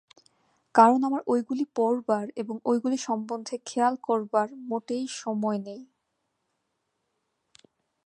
কারণ আমার ঐগুলি পড়বার এবং ঐগুলি সম্বন্ধে খেয়াল করবার মোটেই সময় নেই।